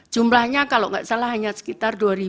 jumlahnya kalau nggak salah hanya sekitar dua